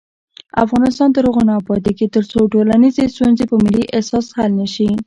افغانستان تر هغو نه ابادیږي، ترڅو ټولنیزې ستونزې په ملي احساس حل نشي.